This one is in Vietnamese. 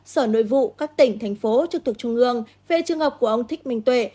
sở nội vụ các tỉnh thành phố trực thuộc trung ương về trường hợp của ông thích minh tuệ